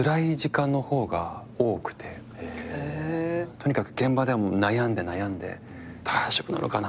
とにかく現場では悩んで悩んで大丈夫なのかな